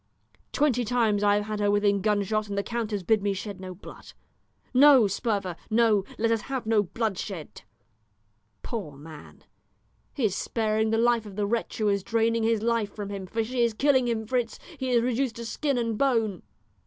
Twenty times I have had her within gunshot, and the count has bid me shed no blood. 'No, Sperver, no; let us have no bloodshed.' Poor man, he is sparing the life of the wretch who is draining his life from him, for she is killing him, Fritz; he is reduced to skin and bone."